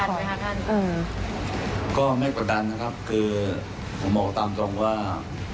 ค่ะกดดันไหมค่ะท่านอืมค่ะกดดันครับคือผมบอกตามตรงว่า